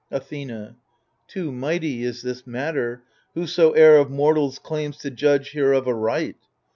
Athena Too mighty is this matter, whosoe'er Of mortals claims to judge hereof aright.